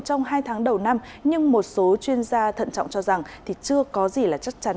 trong hai tháng đầu năm nhưng một số chuyên gia thận trọng cho rằng thì chưa có gì là chắc chắn